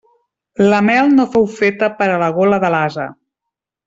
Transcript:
La mel no fou feta per a la gola de l'ase.